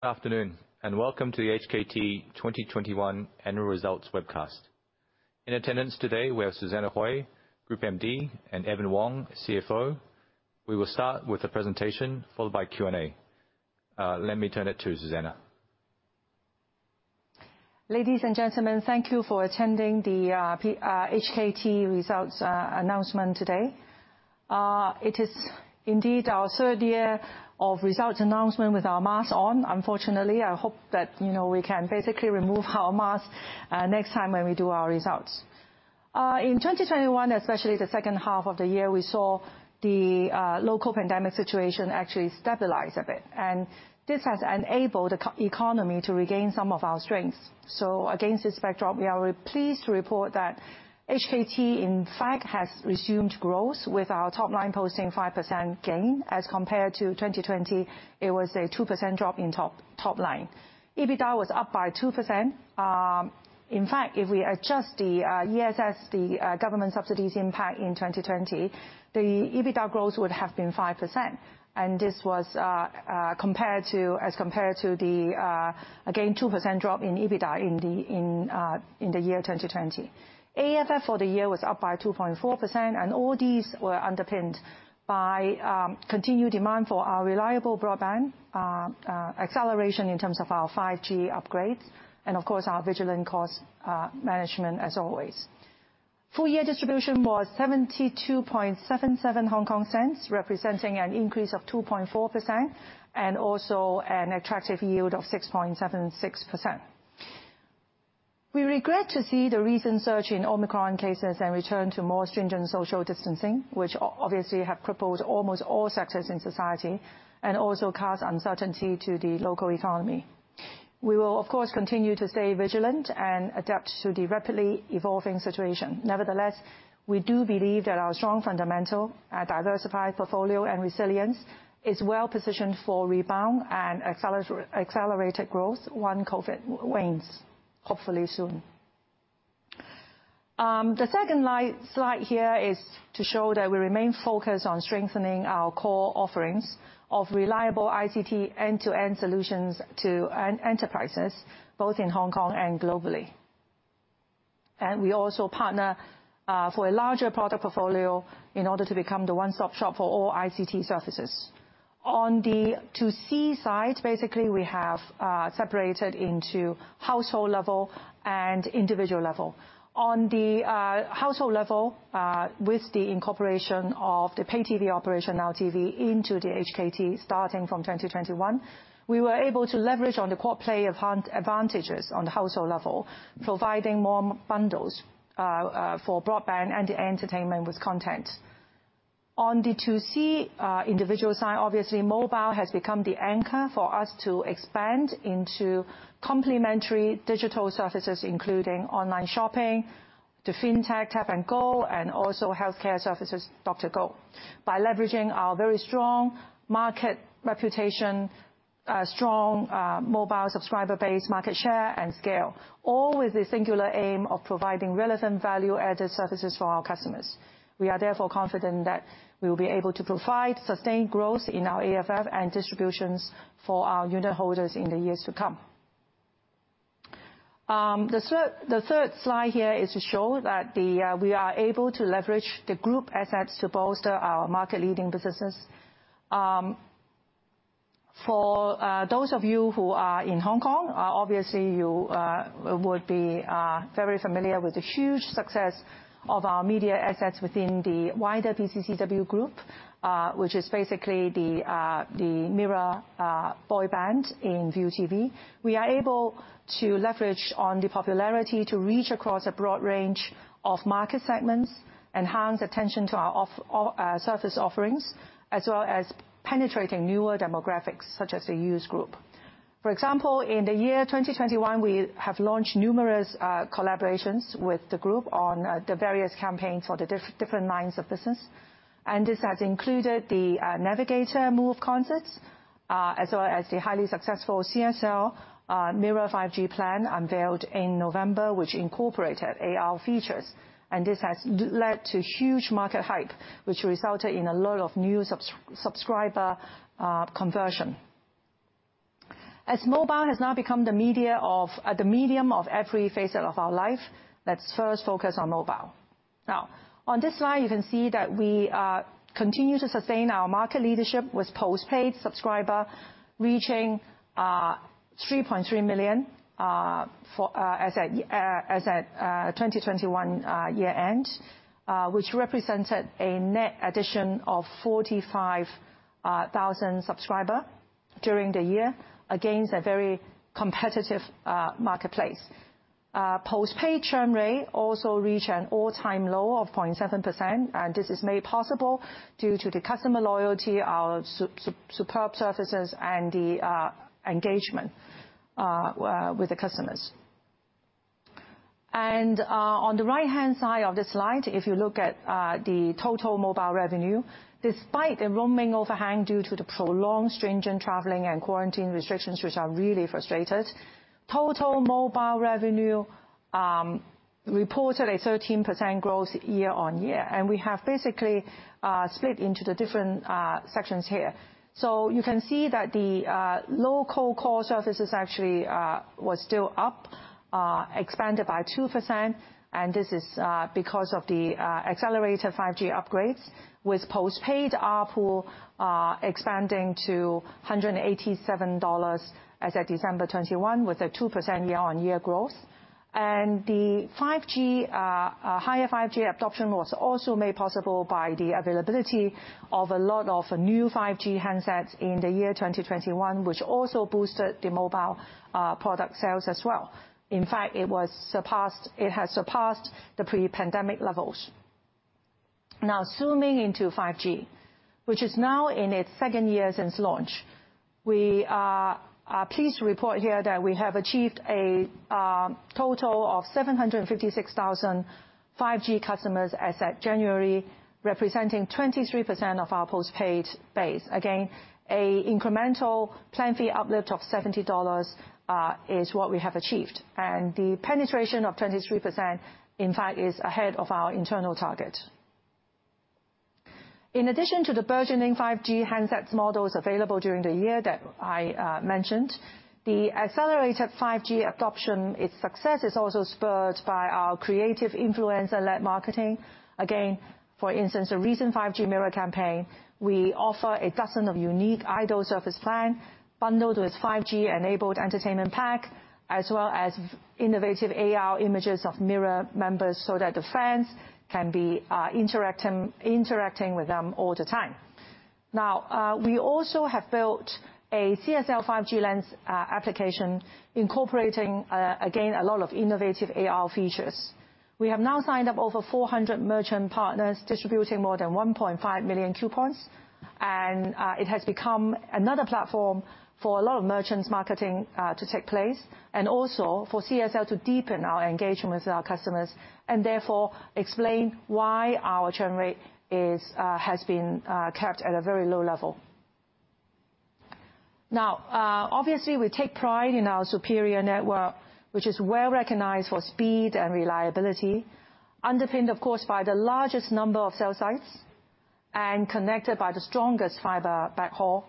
Afternoon and welcome to the HKT 2021 Annual Results Webcast. In attendance today we have Susanna Hui, Group MD, and Evan Wong, CFO. We will start with a presentation, followed by Q&A. Let me turn it to Susanna. Ladies and gentlemen, thank you for attending the HKT Results Announcement today. It is indeed our third year of results announcement with our masks on, unfortunately. I hope that, you know, we can basically remove our mask next time when we do our results. In 2021, especially the second half of the year, we saw the local pandemic situation actually stabilize a bit. This has enabled the economy to regain some of our strength. Against this backdrop, we are pleased to report that HKT in fact has resumed growth, with our top line posting 5% gain as compared to 2020. It was a 2% drop in top line. EBITDA was up by 2%. In fact, if we adjust the ESS, the government subsidies impact in 2020, the EBITDA growth would have been 5%, and this was compared to the 2% drop in EBITDA in the year 2020. AFF for the year was up by 2.4%, and all these were underpinned by continued demand for our reliable broadband, acceleration in terms of our 5G upgrades, and of course our vigilant cost management as always. Full-year distribution was 0.7277, representing an increase of 2.4%, and also an attractive yield of 6.76%. We regret to see the recent surge in Omicron cases and return to more stringent social distancing, which obviously have crippled almost all sectors in society and also caused uncertainty to the local economy. We will of course continue to stay vigilant and adapt to the rapidly evolving situation. Nevertheless, we do believe that our strong fundamental, diversified portfolio and resilience is well positioned for rebound and accelerated growth once COVID wanes, hopefully soon. The second slide here is to show that we remain focused on strengthening our core offerings of reliable ICT end-to-end solutions to enterprises, both in Hong Kong and globally. We also partner for a larger product portfolio in order to become the one-stop shop for all ICT services. On the B2C side, basically, we have separated into Household level and Individual level. On the Household level, with the incorporation of the Pay TV operation, Now TV, into the HKT starting from 2021, we were able to leverage on the quad play advantages on the Household level, providing more bundles for broadband and entertainment with content. On the B2C Individual side, obviously Mobile has become the anchor for us to expand into complementary digital services, including Online Shopping, the FinTech, Tap & Go, and also Healthcare Services, DrGo, by leveraging our very strong market reputation, strong Mobile subscriber base, market share and scale, all with the singular aim of providing relevant value-added services for our customers. We are therefore confident that we will be able to provide sustained growth in our AFF and distributions for our unit holders in the years to come. The third slide here is to show that we are able to leverage the group assets to bolster our market-leading businesses. For those of you who are in Hong Kong, obviously you would be very familiar with the huge success of our media assets within the wider PCCW Group, which is basically the MIRROR boy band in ViuTV. We are able to leverage on the popularity to reach across a broad range of Market segments, enhance attention to our service offerings, as well as penetrating newer demographics, such as the youth group. For example, in the year 2021, we have launched numerous collaborations with the group on the various campaigns for the different lines of business. This has included the NETVIGATOR MOOV concerts, as well as the highly successful csl. MIRROR 5G plan unveiled in November, which incorporated AR features. This has led to huge market hype, which resulted in a lot of new subscriber conversion. As mobile has now become the medium of every facet of our life, let's first focus on mobile. Now, on this slide, you can see that we continue to sustain our market leadership with postpaid subscribers reaching 3.3 million as at 2021 year-end, which represented a net addition of 45,000 subscribers during the year against a very competitive marketplace. Postpaid churn rate also reached an all-time low of 0.7%, and this is made possible due to the customer loyalty, our superb services, and the engagement with the customers. On the right-hand side of this slide, if you look at the total Mobile revenue, despite the roaming overhang due to the prolonged stringent traveling and quarantine restrictions, which are really frustrating, total Mobile revenue reported a 13% growth year-on-year. We have basically split into the different sections here. You can see that the local core services actually was still up expanded by 2%, and this is because of the accelerated 5G upgrades with post-paid ARPU expanding to 187 dollars as of December 2021, with a 2% year-on-year growth. The higher 5G adoption was also made possible by the availability of a lot of new 5G handsets in the year 2021, which also boosted the Mobile product sales as well. In fact, it has surpassed the pre-pandemic levels. Now zooming into 5G, which is now in its second year since launch. We are pleased to report here that we have achieved a total of 756,000 5G customers as at January, representing 23% of our post-paid base. Again, a incremental plan fee uplift of 70 dollars is what we have achieved. The penetration of 23% in fact is ahead of our internal target. In addition to the burgeoning 5G handsets models available during the year that I mentioned, the accelerated 5G adoption, its success is also spurred by our creative influencer-led marketing. Again, for instance, a recent 5G MIRROR campaign, we offer a dozen of unique idol service plan bundled with 5G-enabled entertainment pack, as well as innovative AR images of MIRROR members so that the fans can be interacting with them all the time. Now, we also have built a csl. 5G Lens application incorporating again a lot of innovative AR features. We have now signed up over 400 merchant partners distributing more than 1.5 million coupons, and it has become another platform for a lot of merchants' marketing to take place, and also for csl. To deepen our engagement with our customers, and therefore explain why our churn rate has been kept at a very low level. Now, obviously, we take pride in our superior network, which is well-recognized for speed and reliability. Underpinned, of course, by the largest number of cell sites and connected by the strongest fiber backhaul,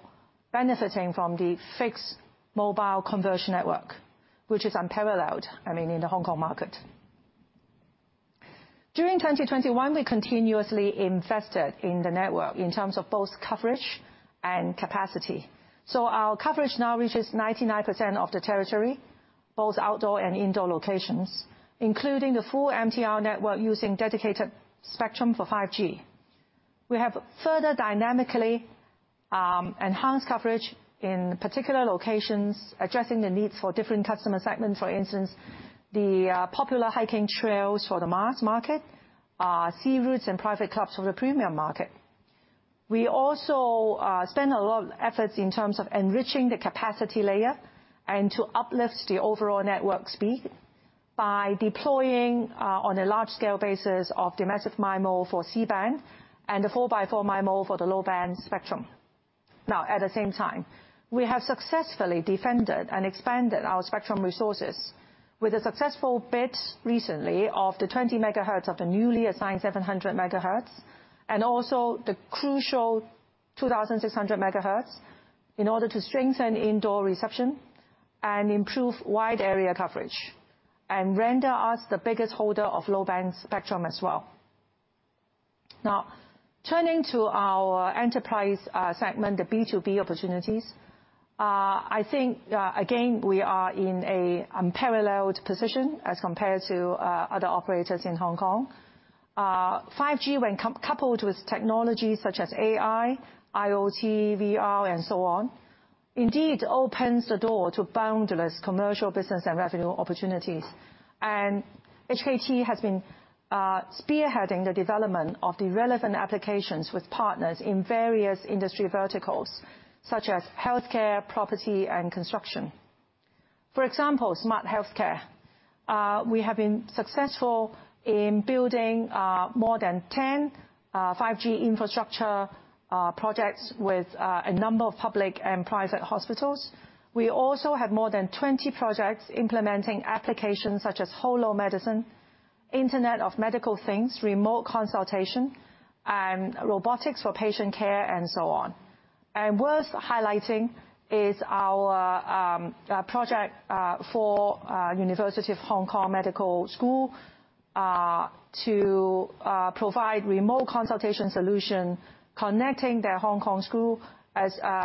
benefiting from the fixed mobile convergence network, which is unparalleled, I mean, in the Hong Kong market. During 2021, we continuously invested in the network in terms of both coverage and capacity. Our coverage now reaches 99% of the territory, both outdoor and indoor locations, including the full MTR network using dedicated spectrum for 5G. We have further dynamically enhanced coverage in particular locations, addressing the needs for different customer segments. For instance, popular hiking trails for the mass market, sea routes and private clubs for the premium market. We also spend a lot of efforts in terms of enriching the capacity layer and to uplift the overall network speed by deploying on a large scale basis of the Massive-MIMO for C-band and the 4x4 MIMO for the low-band spectrum. Now, at the same time, we have successfully defended and expanded our spectrum resources with a successful bid recently of the 20 MHz of the newly assigned 700 MHz, and also the crucial 2,600 MHz in order to strengthen indoor reception and improve wide area coverage, and render us the biggest holder of low-band spectrum as well. Now, turning to our Enterprise segment, the B2B opportunities. I think, again, we are in an unparalleled position as compared to other operators in Hong Kong. 5G, when coupled with technologies such as AI, IoT, VR, and so on, indeed opens the door to boundless commercial business and revenue opportunities. HKT has been spearheading the development of the relevant applications with partners in various industry verticals, such as healthcare, property, and construction. For example, smart healthcare. We have been successful in building more than 10 5G infrastructure projects with a number of public and private hospitals. We also have more than 20 projects implementing applications such as HoloMedicine, Internet of Medical Things, remote consultation, robotics for patient care, and so on. Worth highlighting is our project for University of Hong Kong Medical School to provide remote consultation solution connecting their Hong Kong school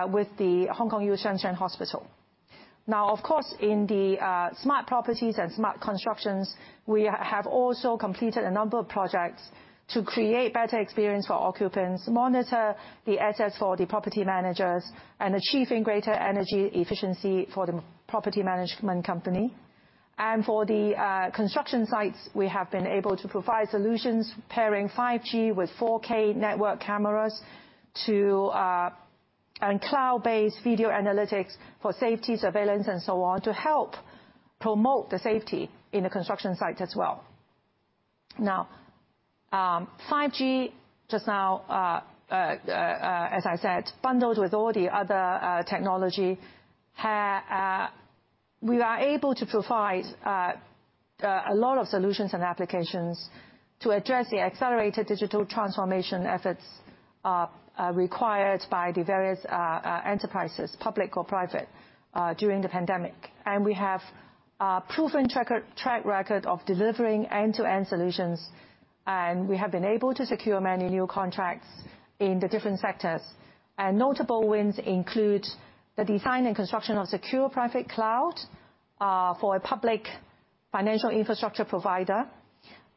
with the University of Hong Kong-Shenzhen Hospital. Now, of course, in the smart properties and smart constructions, we have also completed a number of projects to create better experience for occupants, monitor the assets for the property managers, and achieving greater energy efficiency for the property management company. For the construction sites, we have been able to provide solutions pairing 5G with 4K network cameras to cloud-based video analytics for safety, surveillance, and so on to help promote the safety in the construction site as well. Now, 5G just now, as I said, bundled with all the other technology, we are able to provide a lot of solutions and applications to address the accelerated digital transformation efforts required by the various enterprises, public or private, during the pandemic. We have a proven track record of delivering end-to-end solutions, and we have been able to secure many new contracts in the different sectors. Notable wins include the design and construction of secure private cloud for a public financial infrastructure provider.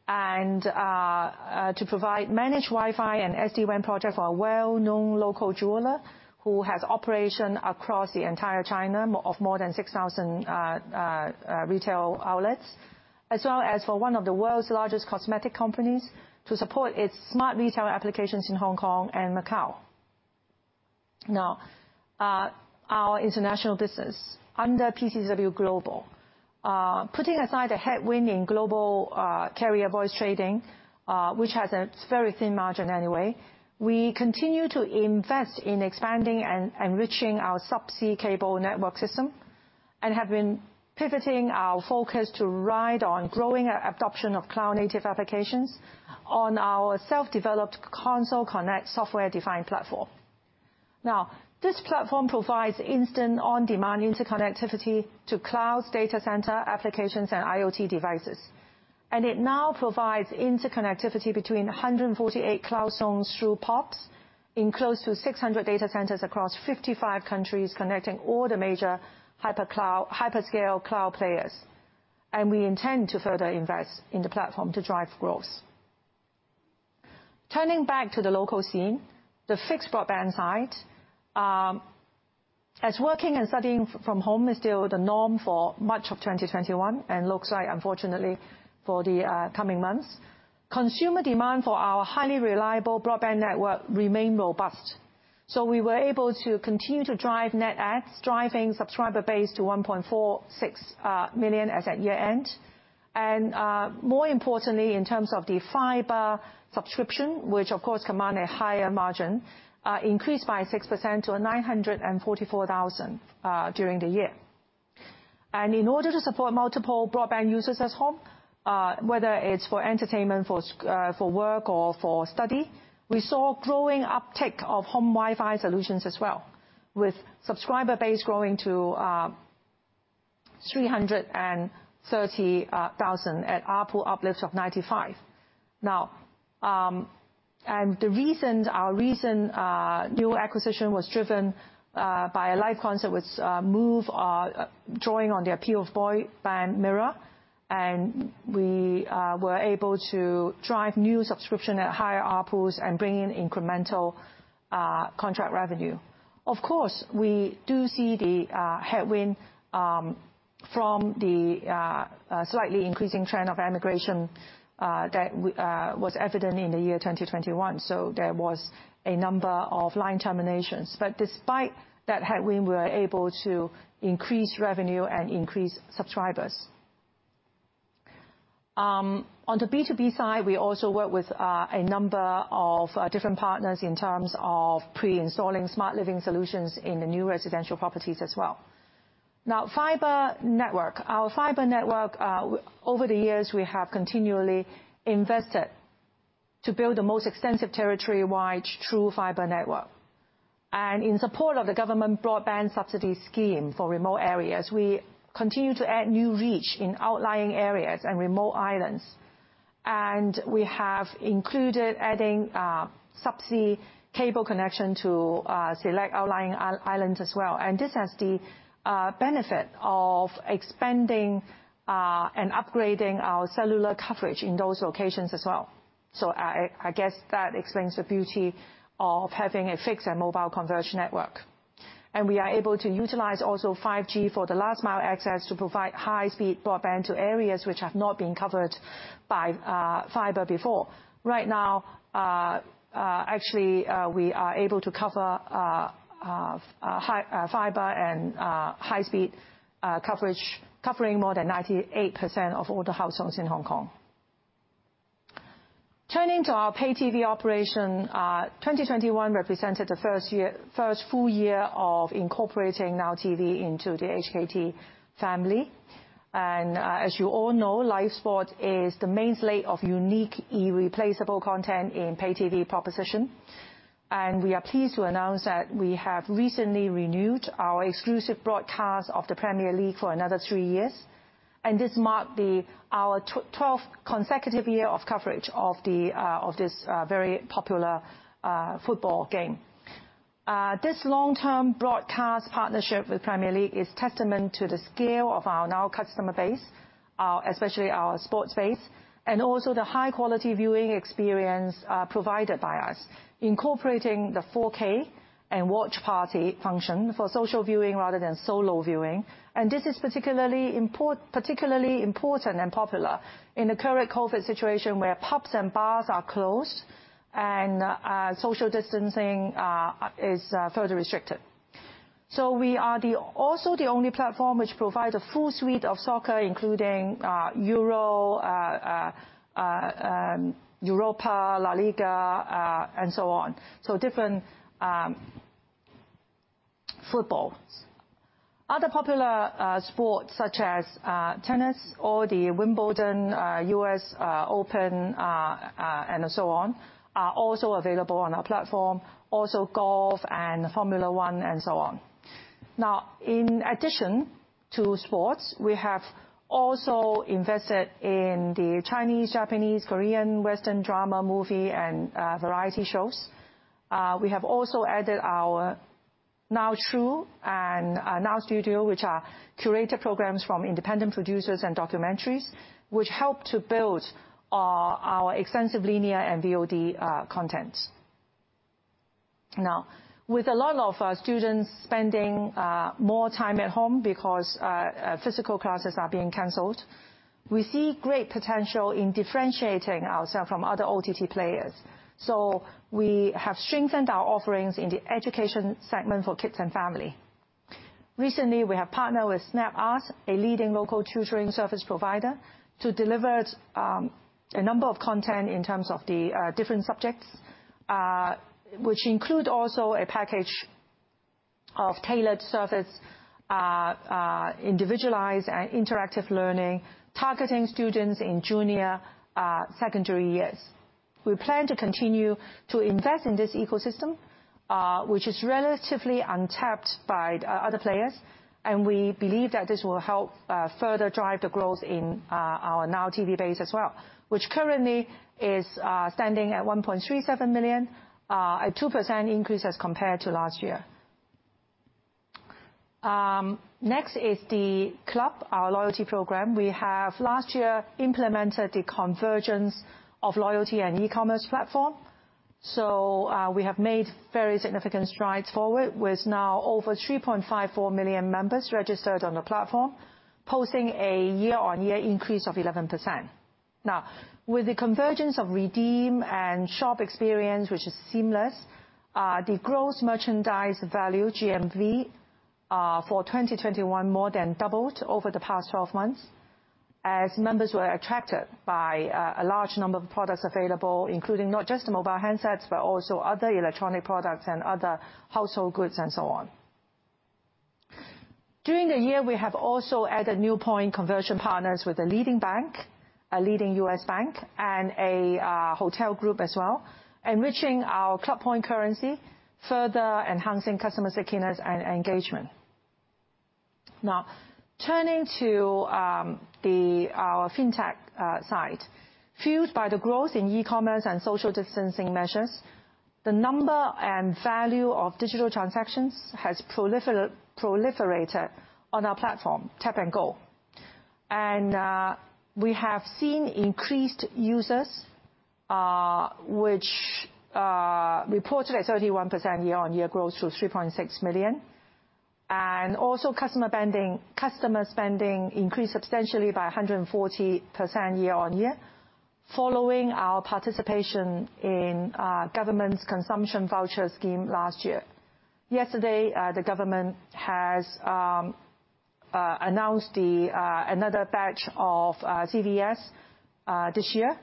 To provide managed Wi-Fi and SD-WAN project for a well-known local jeweler who has operations across the entire China, more than 6,000 retail outlets. As well as for one of the world's largest cosmetic companies to support its smart retail applications in Hong Kong and Macau. Our International business. Under PCCW Global, putting aside the headwind in global carrier voice trading, which has a very thin margin anyway, we continue to invest in expanding and reaching our subsea cable network system, and have been pivoting our focus to ride on growing adoption of cloud-native applications on our self-developed Console Connect, Software-Defined platform. This platform provides instant on-demand interconnectivity to clouds, data centers, applications, and IoT devices. It now provides interconnectivity between 148 cloud zones through PoPs in close to 600 data centers across 55 countries, connecting all the major hypercloud, hyperscale cloud players. We intend to further invest in the platform to drive growth. Turning back to the local scene, the fixed broadband side, as working and studying from home is still the norm for much of 2021, and looks like unfortunately for the coming months, consumer demand for our highly reliable broadband network remain robust. We were able to continue to drive net adds, driving subscriber base to 1.46 million as at year-end. More importantly, in terms of the fiber subscription, which of course command a higher margin, increased by 6% to 944,000 during the year. In order to support multiple broadband users at home, whether it's for entertainment, for work, or for study, we saw growing uptick of Home Wi-Fi solutions as well, with subscriber base growing to 330,000 at ARPU uplifts of 95. The reason our new acquisition was driven by a live concert with MOOV drawing on the appeal of boy band, MIRROR, and we were able to drive new subscription at higher ARPU and bring in incremental contract revenue. Of course, we do see the headwind from the slightly increasing trend of immigration that was evident in the year 2021, so there was a number of line terminations. Despite that headwind, we were able to increase revenue and increase subscribers. On the B2B side, we also work with a number of different partners in terms of pre-installing smart living solutions in the new residential properties as well. Now, fiber network. Our fiber network over the years we have continually invested to build the most extensive territory-wide true fiber network. In support of the government broadband subsidy scheme for remote areas, we continue to add new reach in outlying areas and remote islands. We have included adding subsea cable connection to select outlying islands as well. This has the benefit of expanding and upgrading our cellular coverage in those locations as well. I guess that explains the beauty of having a fixed and mobile converged network. We are able to utilize also 5G for the last mile access to provide high-speed broadband to areas which have not been covered by fiber before. Right now, actually, we are able to cover high fiber and high-speed coverage covering more than 98% of all the households in Hong Kong. Turning to our Pay TV operation, 2021 represented the first year, first full year of incorporating Now TV into the HKT family. As you all know, live sport is the main slate of unique irreplaceable content in Pay TV proposition. We are pleased to announce that we have recently renewed our exclusive broadcast of the Premier League for another three years. This marked our 12th consecutive year of coverage of this very popular football game. This long-term broadcast partnership with Premier League is testament to the scale of our Now customer base, especially our sports base, and also the high-quality viewing experience provided by us, incorporating the 4K and watch party function for social viewing rather than solo viewing. This is particularly important and popular in the current COVID situation where pubs and bars are closed and social distancing is further restricted. We are also the only platform which provides a full suite of soccer, including Euro, Europa, La Liga, and so on, different footballs. Other popular sports such as tennis or the Wimbledon, US Open, and so on, are also available on our platform, also golf and Formula 1, and so on. Now, in addition to sports, we have also invested in the Chinese-, Japanese-, Korean-, Western-drama movie, and variety shows. We have also added our Now True and Now Studio, which are curated programs from independent producers and documentaries, which help to build our extensive linear and VOD content. Now, with a lot of students spending more time at home because physical classes are being canceled, we see great potential in differentiating ourself from other OTT players. We have strengthened our offerings in the education segment for kids and family. Recently, we have partnered with Snapask, a leading local tutoring service provider, to deliver a number of content in terms of the different subjects, which include also a package of tailored service, individualized and interactive learning, targeting students in junior secondary years. We plan to continue to invest in this ecosystem, which is relatively untapped by other players, and we believe that this will help further drive the growth in our Now TV base as well, which currently is standing at 1.37 million, a 2% increase as compared to last year. Next is The Club, our loyalty program. We have last year implemented the convergence of loyalty and e-commerce platform, so we have made very significant strides forward with now over 3.54 million members registered on the platform, posting a year-on-year increase of 11%. Now, with the convergence of redeem and shop experience, which is seamless, the gross merchandise value, GMV, for 2021 more than doubled over the past 12 months as members were attracted by a large number of products available, including not just the mobile handsets, but also other electronic products and other household goods and so on. During the year, we have also added new point conversion partners with a leading bank, a leading U.S. bank, and a hotel group as well, enriching our Club point currency, further enhancing customer stickiness and engagement. Now, turning to our FinTech side. Fueled by the growth in e-commerce and social distancing measures, the number and value of digital transactions has proliferated on our platform, Tap & Go. We have seen increased users, which reported a 31% year-on-year growth to 3.6 million. Customer spending increased substantially by 140% year-on-year following our participation in the government's consumption voucher scheme last year. Yesterday, the government has announced another batch of CVS this year,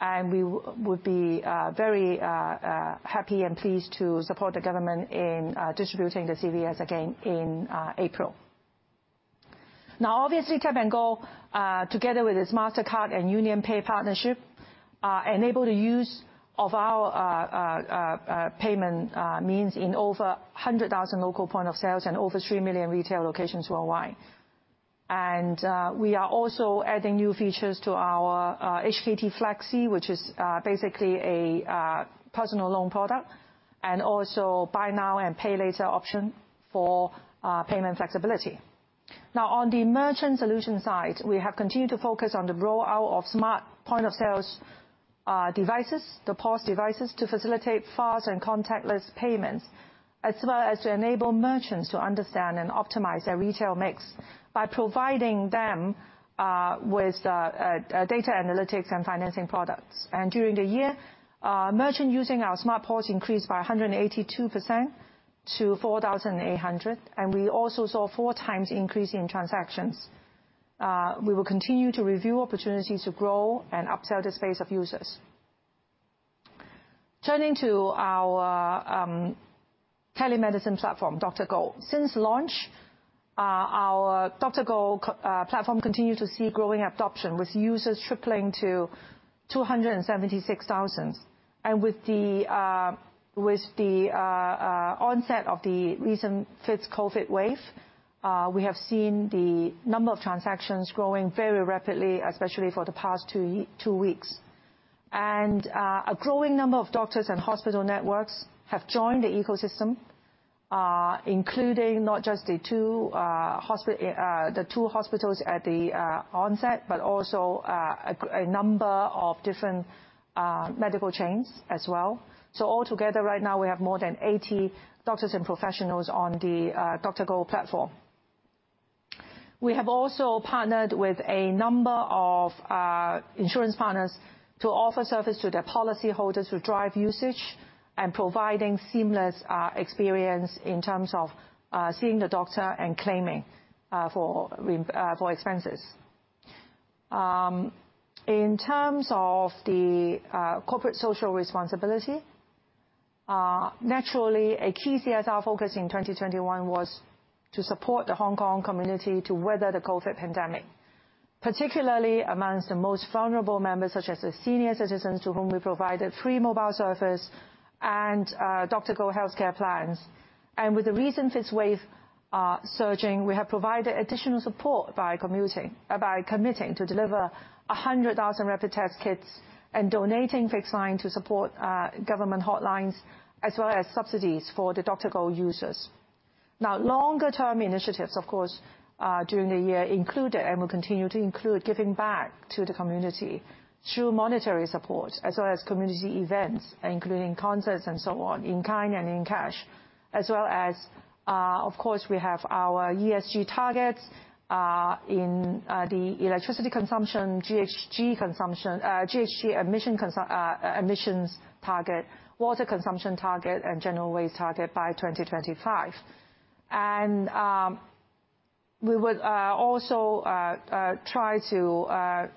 and we will be very happy and pleased to support the government in distributing the CVS again in April. Now, obviously, Tap & Go, together with its Mastercard and UnionPay partnership, enable the use of our payment means in over 100,000 local point of sales and over 3 million retail locations worldwide. We are also adding new features to our HKT Flexi, which is basically a personal loan product, and also buy now and pay later option for payment flexibility. Now on the Merchant Solution side, we have continued to focus on the rollout of smart point of sales devices, the POS devices, to facilitate fast and contactless payments, as well as to enable merchants to understand and optimize their retail mix by providing them with data analytics and financing products. During the year, merchants using our smart POS increased by 182% to 4,800, and we also saw four times increase in transactions. We will continue to review opportunities to grow and upsell this base of users. Turning to our telemedicine platform, DrGo. Since launch, our DrGo platform continued to see growing adoption, with users tripling to 276,000. With the onset of the recent fifth COVID wave, we have seen the number of transactions growing very rapidly, especially for the past two weeks. A growing number of doctors and hospital networks have joined the ecosystem, including not just the two hospitals at the onset, but also a number of different medical chains as well. All together right now, we have more than 80 doctors and professionals on the DrGo platform. We have also partnered with a number of insurance partners to offer service to their policy holders through DrGo usage and providing seamless experience in terms of seeing the doctor and claiming for expenses. In terms of the corporate social responsibility, naturally, a key CSR focus in 2021 was to support the Hong Kong community to weather the COVID pandemic, particularly among the most vulnerable members, such as the senior citizens to whom we provided free Mobile Service and DrGo healthcare plans. With the recent fifth wave surging, we have provided additional support by committing to deliver 100,000 rapid test kits and donating fixed line to support government hotlines as well as subsidies for the DrGo users. Now, longer-term initiatives, of course, during the year included, and will continue to include giving back to the community through monetary support as well as community events, including concerts and so on, in kind and in cash. As well as, of course, we have our ESG targets in the electricity consumption, GHG emissions target, water consumption target, and general waste target by 2025. We would also try to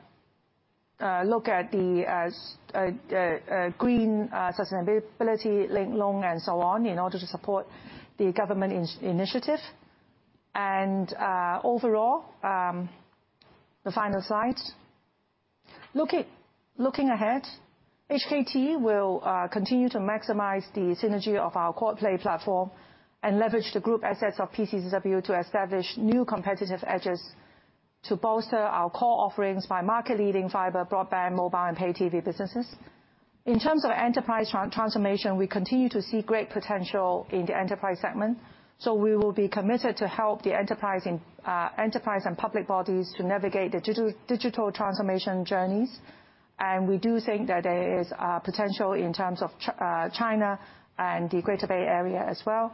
look at the green sustainability-linked loans and so on in order to support the government initiative. Overall, the final slide. Looking ahead, HKT will continue to maximize the synergy of our quad play platform and leverage the group assets of PCCW to establish new competitive edges to bolster our core offerings by market leading Fiber Broadband, Mobile, and Pay TV businesses. In terms of enterprise transformation, we continue to see great potential in the Enterprise segment, so we will be committed to help enterprises and public bodies to navigate the digital transformation journeys. We do think that there is potential in terms of China and the Greater Bay Area as well.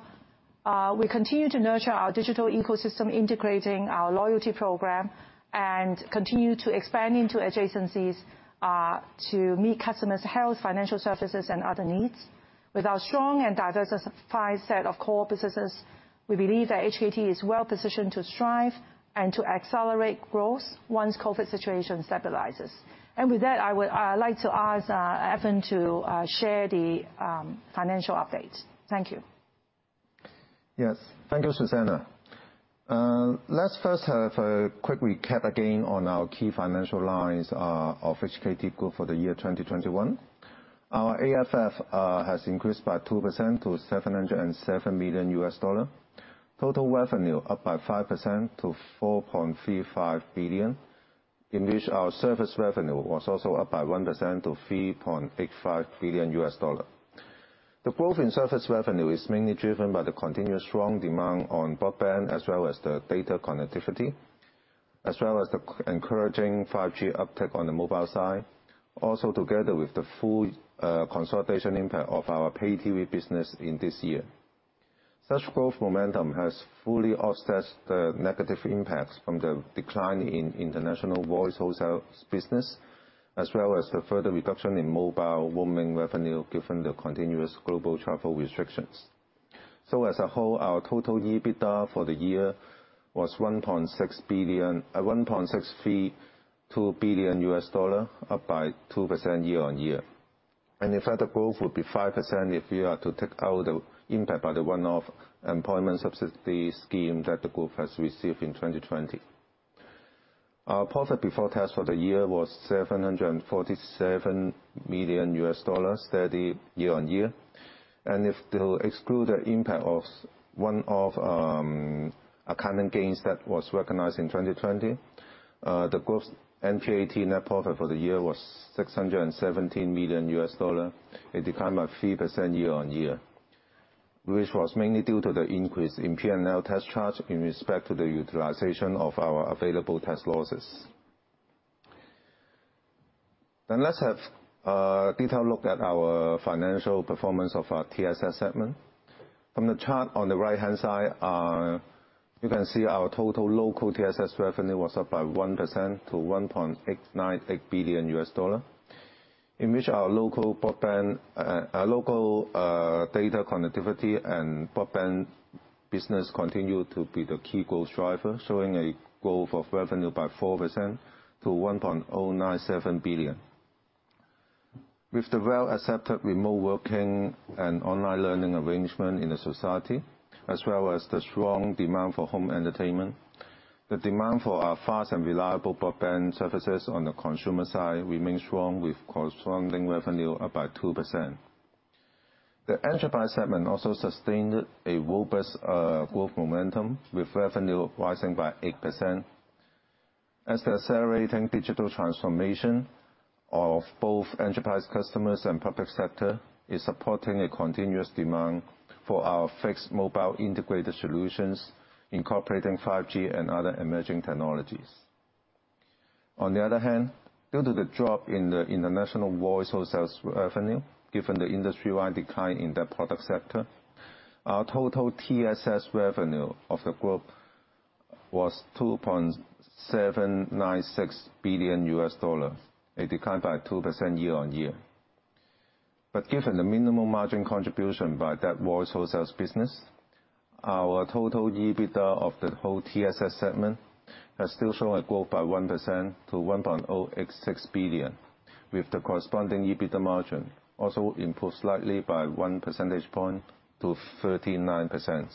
We continue to nurture our digital ecosystem, integrating our loyalty program and continue to expand into adjacencies to meet customers' health, financial services, and other needs. With our strong and diversified set of core businesses, we believe that HKT is well positioned to strive and to accelerate growth once the COVID situation stabilizes. With that, I would like to ask Evan to share the financial update. Thank you. Thank you, Susanna. Let's first have a quick recap again on our key financial lines of HKT Group for the year 2021. Our AFF has increased by 2% to $707 million. Total revenue up by 5% to $4.35 billion, in which our service revenue was also up by 1% to $3.85 billion. The growth in service revenue is mainly driven by the continuous strong demand on Broadband as well as the data connectivity, as well as the encouraging 5G uptick on the Mobile side. Also, together with the full consolidation impact of our Pay TV business in this year. Such growth momentum has fully offset the negative impacts from the decline in International Voice Wholesale business, as well as the further reduction in mobile roaming revenue given the continuous global travel restrictions. As a whole, our total EBITDA for the year was $1.632 billion, up by 2% year-on-year. In fact, the growth would be 5% if we are to take out the impact by the one-off employment subsidy scheme that the group has received in 2020. Our profit before tax for the year was $747 million, steady year-on-year. If we are to exclude the impact of one-off accounting gains that was recognized in 2020, the group's NPAT net profit for the year was $617 million. It declined by 3% year-on-year, which was mainly due to the increase in P&L tax charge in respect to the utilization of our available tax losses. Let's have a detailed look at our financial performance of our TSS segment. From the chart on the right-hand side, you can see our total local TSS revenue was up by 1% to $1.898 billion. In which our local broadband, Data Connectivity and Broadband business continued to be the key growth driver, showing a growth of revenue by 4% to $1.097 billion. With the well-accepted remote working and online learning arrangement in the society, as well as the strong demand for home entertainment, the demand for our fast and reliable broadband services on the consumer side remain strong with corresponding revenue up by 2%. The Enterprise segment also sustained a robust growth momentum with revenue rising by 8% as the accelerating digital transformation of both enterprise customers and public sector is supporting a continuous demand for our fixed mobile integrated solutions incorporating 5G and other emerging technologies. On the other hand, due to the drop in the International Voice Wholesales revenue, given the industry-wide decline in that product sector, our total TSS revenue of the group was $2.796 billion. It declined by 2% year-on-year. Given the minimum margin contribution by that Voice Wholesale business, our total EBITDA of the whole TSS segment has still shown a growth by 1% to 1.086 billion, with the corresponding EBITDA margin also improved slightly by one percentage point to 39%.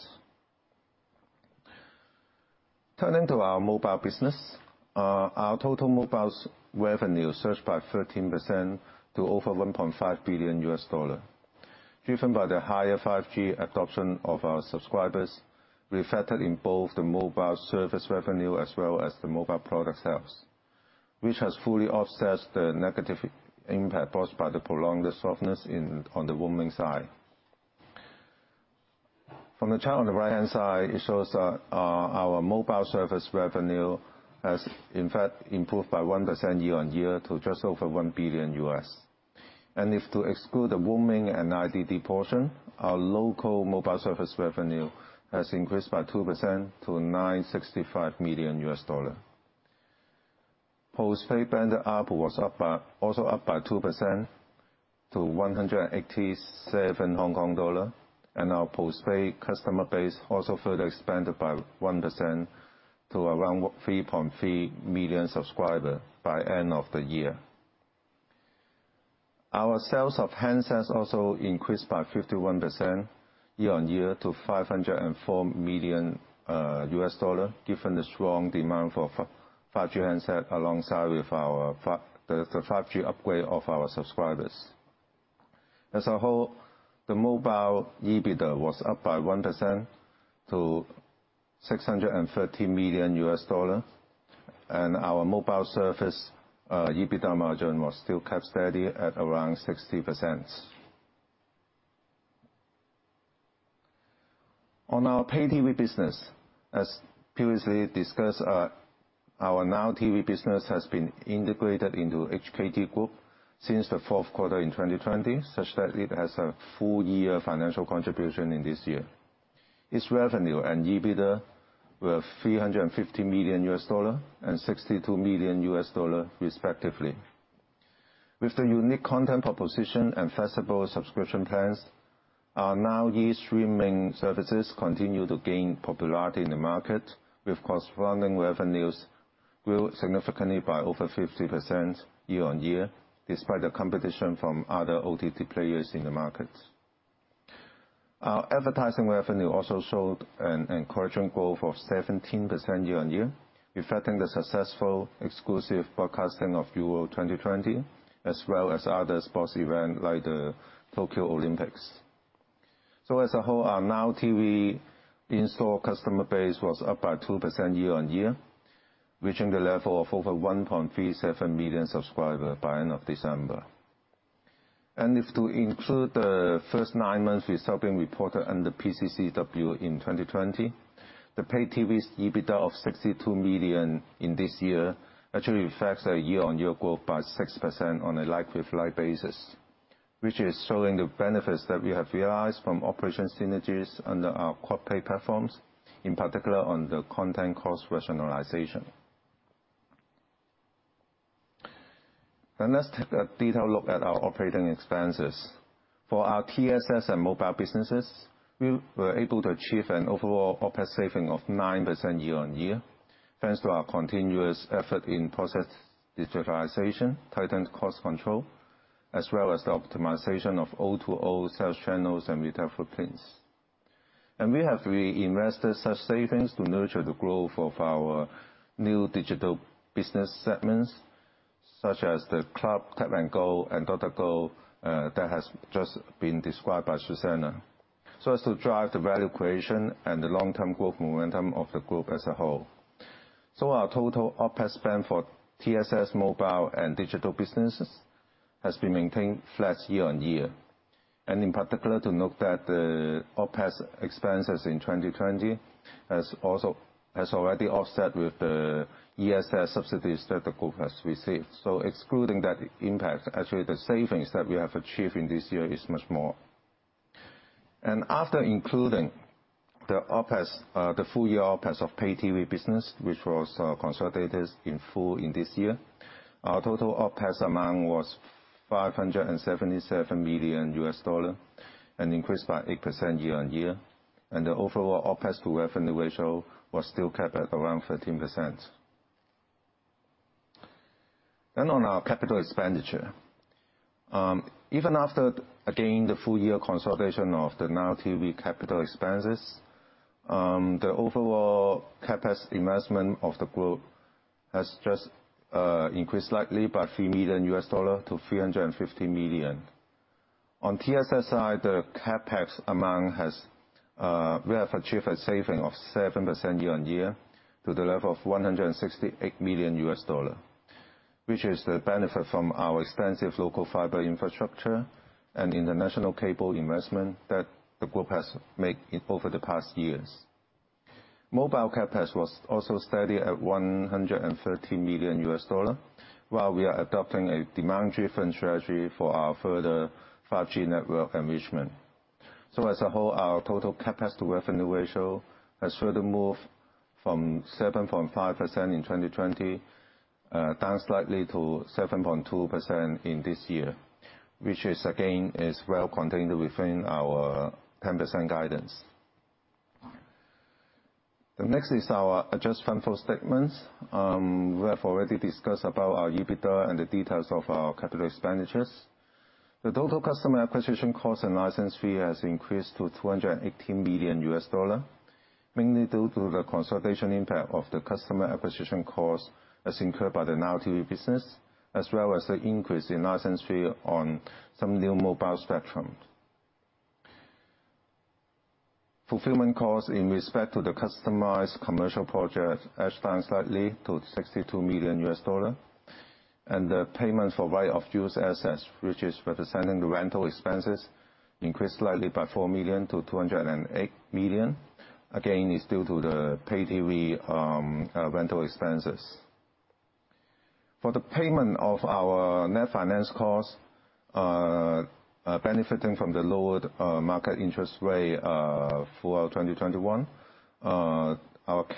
Turning to our Mobile business. Our total Mobile revenue surged by 13% to over $1.5 billion. Driven by the higher 5G adoption of our subscribers, reflected in both the Mobile Service revenue as well as the Mobile Product sales, which has fully offset the negative impact caused by the prolonged softness in, on the roaming side. From the chart on the right-hand side, it shows, our Mobile Service revenue has in fact improved by 1% year-on-year to just over $1 billion. If to exclude the roaming and IDD portion, our local Mobile Service revenue has increased by 2% to $965 million. Postpaid ARPU was also up by 2% to 187 Hong Kong dollar, and our postpaid customer base also further expanded by 1% to around 3.3 million subscribers by end of the year. Our sales of handsets also increased by 51% year-on-year to $504 million, given the strong demand for 5G handsets alongside with our 5G upgrade of our subscribers. As a whole, the Mobile EBITDA was up by 1% to $630 million. Our Mobile Service EBITDA margin was still kept steady at around 60%. On our Pay TV business. As previously discussed, our Now TV business has been integrated into HKT Group since the fourth quarter in 2020, such that it has a full-year financial contribution in this year. Its revenue and EBITDA were $350 million and $62 million respectively. With the unique content proposition and flexible subscription plans, our Now E streaming services continue to gain popularity in the market, with corresponding revenues grew significantly by over 50% year-on-year, despite the competition from other OTT players in the market. Our advertising revenue also showed an encouraging growth of 17% year-on-year, reflecting the successful exclusive broadcasting of Euro 2020, as well as other sports event like the Tokyo Olympics. As a whole, our Now TV installed customer base was up by 2% year-over-year, reaching the level of over 1.37 million subscribers by end of December. If to include the first nine months result being reported under PCCW in 2020, the Pay TV's EBITDA of 62 million in this year actually reflects a year-over-year growth by 6% on a like-for-like basis, which is showing the benefits that we have realized from operational synergies under our quad play platforms, in particular on the content cost rationalization. Let's take a detailed look at our operating expenses. For our TSS and Mobile businesses, we were able to achieve an overall OpEx saving of 9% year-over-year, thanks to our continuous effort in process digitalization, tightened cost control, as well as the optimization of O2O sales channels and retail footprints. We have reinvested such savings to nurture the growth of our New Digital Business segments, such as The Club, Tap & Go, and DrGo, that has just been described by Susanna. As to drive the value creation and the long-term growth momentum of the group as a whole. Our total OpEx spend for TSS, Mobile and Digital businesses has been maintained flat year-on-year. In particular, to note that the OpEx expenses in 2020 has already offset with the ESS subsidies that the group has received. Excluding that impact, actually the savings that we have achieved in this year is much more. After including the OpEx, the full-year OpEx of Pay TV business, which was consolidated in full in this year, our total OpEx amount was $577 million and increased by 8% year-on-year. The overall OpEx to revenue ratio was still kept at around 13%. On our capital expenditure, even after, again, the full-year consolidation of the Now TV capital expenses, the overall CapEx investment of the group has just increased slightly by $3 million to $350 million. On TSS side, the CapEx amount has we have achieved a saving of 7% year-on-year to the level of $168 million, which is the benefit from our extensive local fiber infrastructure and international cable investment that the group has made over the past years. Mobile CapEx was also steady at $130 million, while we are adopting a demand-driven strategy for our further 5G network enrichment. As a whole, our total CapEx-to-revenue ratio has further moved from 7.5% in 2020 down slightly to 7.2% in this year, which is, again, well contained within our 10% guidance. The next is our adjusted financial statements. We have already discussed about our EBITDA and the details of our capital expenditures. The total customer acquisition costs and license fee has increased to $280 million, mainly due to the consolidation impact of the customer acquisition costs as incurred by the Now TV business, as well as the increase in license fee on some new mobile spectrum. Fulfillment costs in respect to the customized commercial project edged down slightly to $62 million. The payment for right of use assets, which is representing the rental expenses, increased slightly by $4 million to $208 million. Again, it's due to the Pay TV rental expenses. For the payment of our net finance costs, benefiting from the lower market interest rate for 2021, our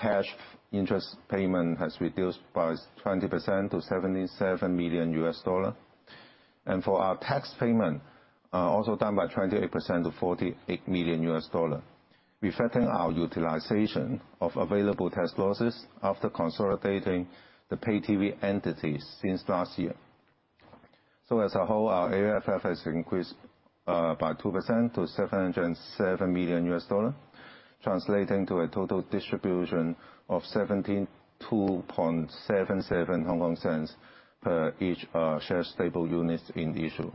cash interest payment has reduced by 20% to $77 million. For our tax payment, also down by 28% to $48 million, reflecting our utilization of available tax losses after consolidating the Pay TV entities since last year. As a whole, our AFF has increased by 2% to $707 million, translating to a total distribution of 0.7277 per each share stable units in issue.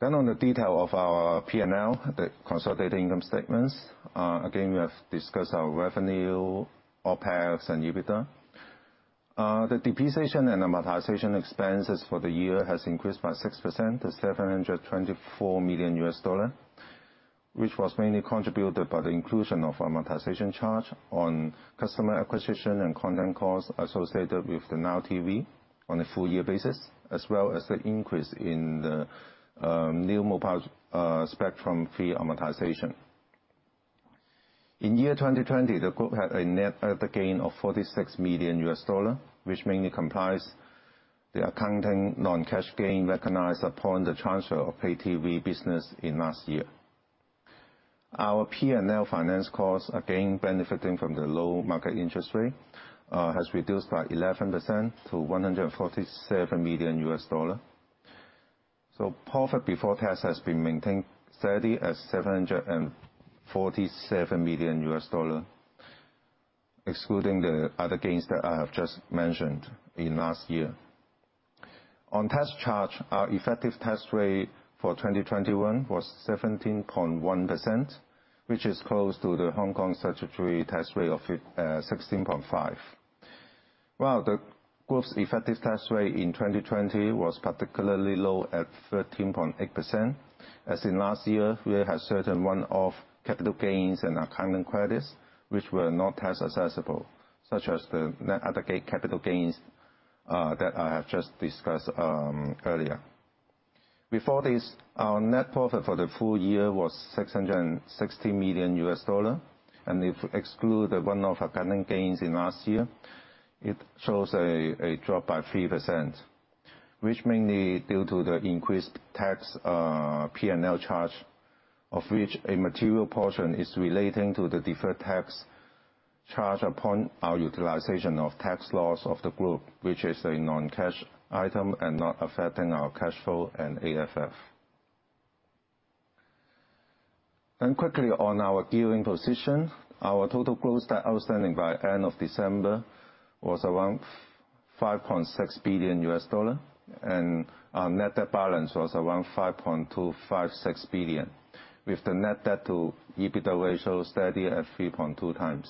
On the detail of our P&L, the consolidated income statements. Again, we have discussed our revenue, OpEx and EBITDA. The depreciation and amortization expenses for the year has increased by 6% to $724 million, which was mainly contributed by the inclusion of amortization charge on customer acquisition and content costs associated with the Now TV on a full-year basis, as well as the increase in the new mobile spectrum fee amortization. In year 2020, the group had a net other gain of $46 million, which mainly comprise the accounting non-cash gain recognized upon the transfer of Pay TV business in last year. Our P&L finance costs, again, benefiting from the low market interest rate, has reduced by 11% to $147 million. Profit before tax has been maintained steady at $747 million, excluding the other gains that I have just mentioned in last year. On tax charge, our effective tax rate for 2021 was 17.1%, which is close to the Hong Kong statutory tax rate of 16.5%. While the group's effective tax rate in 2020 was particularly low at 13.8%, as in last year, we had certain one-off capital gains and accounting credits which were not tax assessable, such as the net other capital gains that I have just discussed earlier. Before this, our net profit for the full year was $660 million, and if we exclude the one-off accounting gains in last year, it shows a drop by 3%, which mainly due to the increased tax, P&L charge, of which a material portion is relating to the deferred tax charge upon our utilization of tax loss of the group, which is a non-cash item and not affecting our cash flow and AFF. Quickly on our gearing position. Our total gross debt outstanding by end of December was around $5.6 billion, and our net debt balance was around $5.256 billion, with the net debt to EBITDA ratio steady at 3.2x.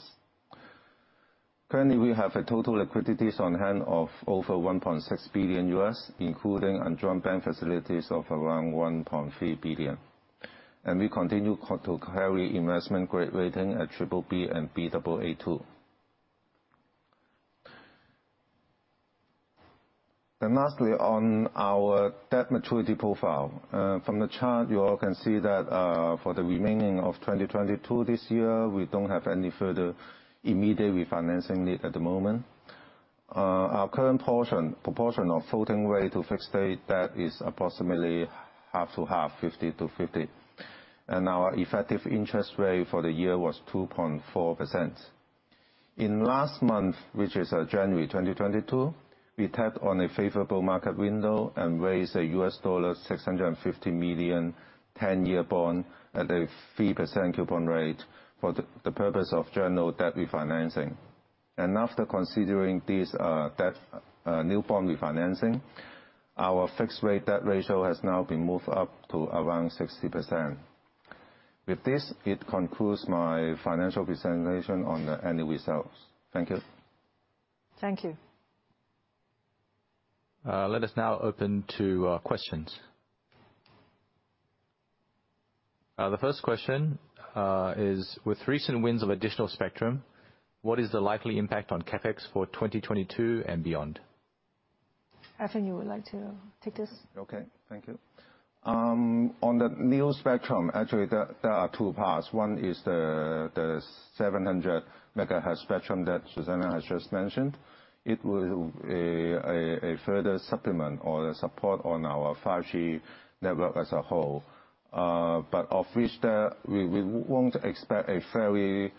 Currently, we have total liquidity on hand of over $1.6 billion, including undrawn bank facilities of around $1.3 billion. We continue to carry investment-grade ratings of BBB and Baa2. Lastly, on our debt maturity profile, from the chart, you all can see that, for the remaining of 2022 this year, we don't have any further immediate refinancing need at the moment. Our current proportion of floating rate to fixed rate debt is approximately half-to-half, 50/50. Our effective interest rate for the year was 2.4%. In last month, which is January 2022, we tapped on a favorable market window and raised a $650 million 10-year bond at a 3% coupon rate for the purpose of general debt refinancing. After considering this debt new bond refinancing, our fixed rate debt ratio has now been moved up to around 60%. With this, it concludes my financial presentation on the annual results. Thank you. Thank you. Let us now open to questions. The first question is with recent wins of additional spectrum, what is the likely impact on CapEx for 2022 and beyond? I think you would like to take this. Okay. Thank you. On the new spectrum, actually, there are two parts. One is the 700 MHz spectrum that Susanna has just mentioned. It will a further supplement or a support on our 5G network as a whole. But of which that we won't expect a very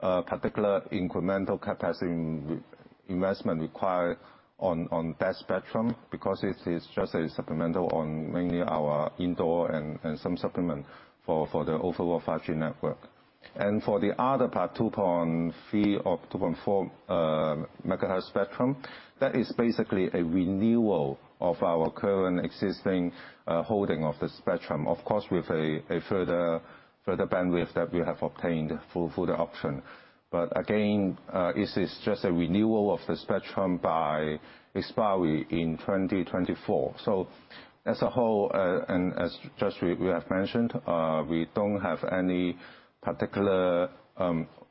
particular incremental capacity investment required on that spectrum because it is just a supplemental on mainly our indoor and some supplement for the overall 5G network. For the other part, 2.3 MHz or 2.4 MHz spectrum, that is basically a renewal of our current existing holding of the spectrum. Of course, with a further bandwidth that we have obtained for the option. But again, this is just a renewal of the spectrum by expiry in 2024. As a whole, as we just have mentioned,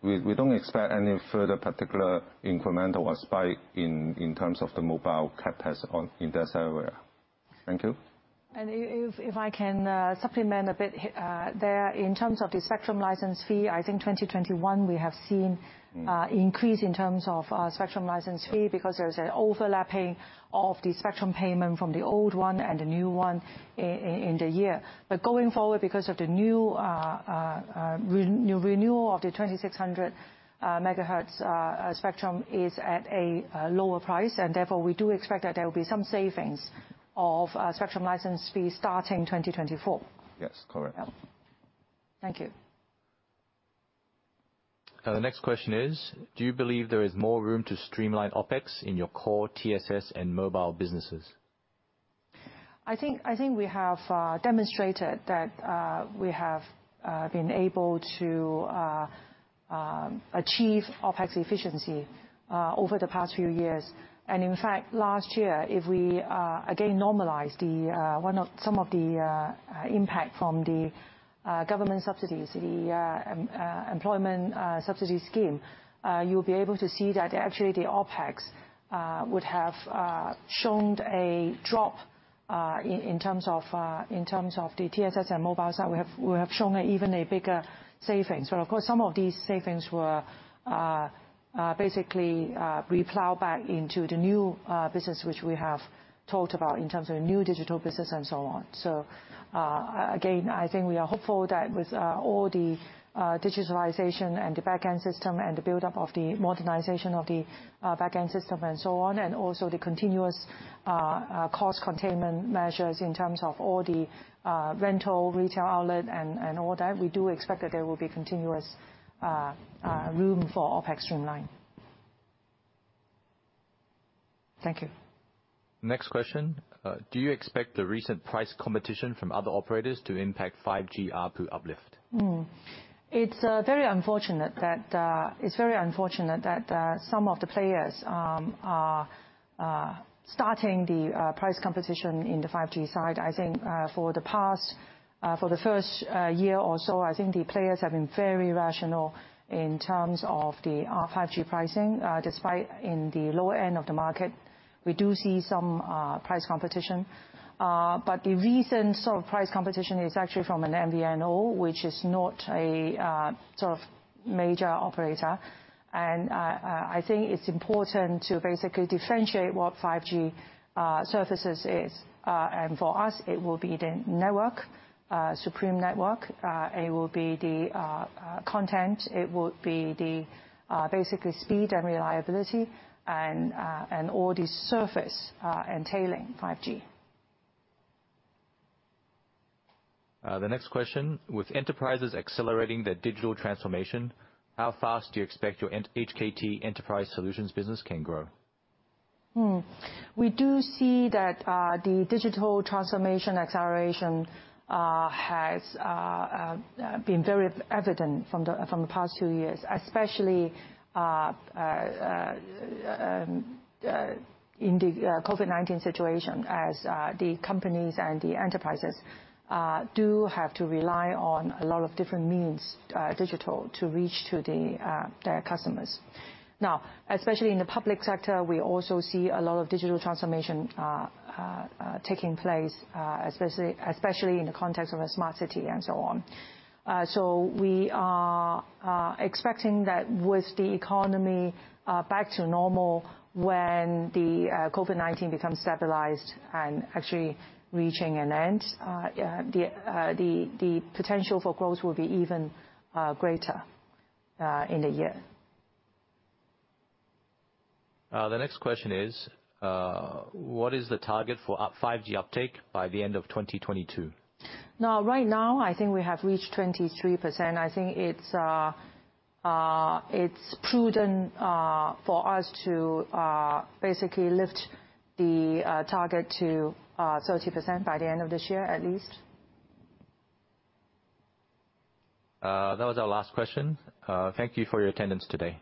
we don't expect any further particular incremental or spike in terms of the Mobile CapEx in that area. Thank you. If I can supplement a bit, there, in terms of the spectrum license fee, I think 2021 we have seen increase in terms of spectrum license fee because there's an overlapping of the spectrum payment from the old one and the new one in the year. Going forward, because of the new renewal of the 2600 MHz spectrum is at a lower price, and therefore, we do expect that there will be some savings of spectrum license fees starting 2024. Yes, correct. Thank you. The next question is, do you believe there is more room to streamline OpEx in your core TSS and Mobile businesses? I think we have demonstrated that we have been able to achieve OpEx efficiency over the past few years. In fact, last year, if we again normalize the impact from the government subsidies, the Employment Subsidy Scheme, you'll be able to see that actually the OpEx would have shown a drop in terms of the TSS and Mobile side. We have shown even a bigger savings. Of course, some of these savings were basically replowed back into the new business which we have talked about in terms of New Digital business and so on. Again, I think we are hopeful that with all the digitalization and the back-end system and the buildup of the modernization of the back-end system and so on, and also the continuous cost containment measures in terms of all the rental, retail outlet and all that, we do expect that there will be continuous room for OpEx streamline. Thank you. Next question. Do you expect the recent price competition from other operators to impact 5G ARPU uplift? It's very unfortunate that some of the players are starting the price competition in the 5G side. I think for the first year or so, I think the players have been very rational in terms of the 5G pricing. Despite in the lower end of the market, we do see some price competition. The recent sort of price competition is actually from an MVNO, which is not a sort of major operator. I think it's important to basically differentiate what 5G services is. For us, it will be the network supreme network. It will be the content. It would be basically speed and reliability and all the services entailing 5G. The next question. With enterprises accelerating their digital transformation, how fast do you expect your HKT Enterprise Solutions business can grow? We do see that the digital transformation acceleration has been very evident from the past two years, especially in the COVID-19 situation as the companies and the enterprises do have to rely on a lot of different means digital to reach to their customers. Now, especially in the public sector, we also see a lot of digital transformation taking place, especially in the context of a smart city and so on. We are expecting that with the economy back to normal when the COVID-19 becomes stabilized and actually reaching an end, the potential for growth will be even greater in the year. The next question is, what is the target for 5G uptake by the end of 2022? Now, right now, I think we have reached 23%. I think it's prudent for us to basically lift the target to 30% by the end of this year at least. That was our last question. Thank you for your attendance today.